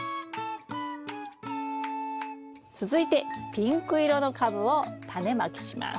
続いてピンク色のカブをタネまきします。